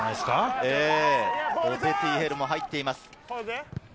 オペティ・ヘルも入っています。